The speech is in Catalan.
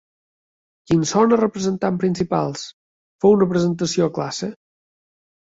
Qui en són els representants principals? Feu una presentació a classe.